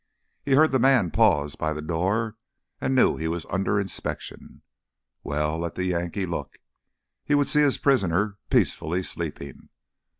He heard the man pause by the door and knew he was under inspection. Well, let the Yankee look! He would see his prisoner peacefully sleeping.